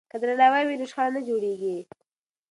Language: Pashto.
که درناوی وي نو شخړه نه جوړیږي.